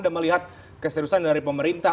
anda melihat keseriusan dari pemerintah